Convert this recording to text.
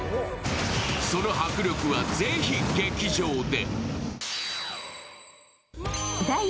その迫力は、ぜひ劇場で。